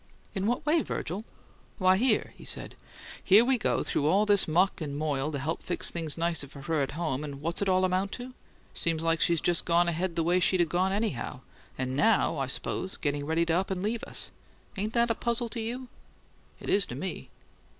"In what way, Virgil?" "Why, here," he said "here we go through all this muck and moil to help fix things nicer for her at home, and what's it all amount to? Seems like she's just gone ahead the way she'd 'a' gone anyhow; and now, I suppose, getting ready to up and leave us! Ain't that a puzzle to you? It is to me."